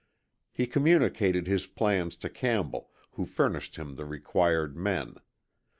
He communicated his plans to Campbell, who furnished him the required men.